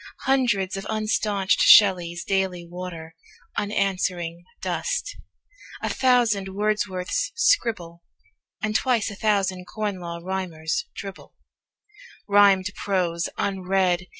Hundreds of unstaunched Shelleys daily water Unanswering dust; a thousand Wordsworths scribble; And twice a thousand Corn Law Rhymers dribble Rhymed prose, unread.